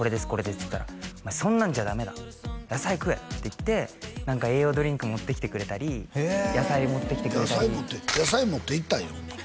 っつったら「お前そんなんじゃダメだ野菜食え！」って言って何か栄養ドリンク持ってきてくれたりへえ野菜持ってきてくれたり野菜持っていったんよ